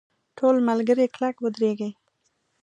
ټول ملګري کلک ودرېږئ!.